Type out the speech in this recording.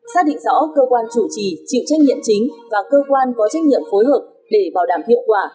xác định rõ cơ quan chủ trì chịu trách nhiệm chính và cơ quan có trách nhiệm phối hợp để bảo đảm hiệu quả